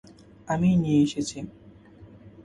আমিই নিয়ে এসেছি।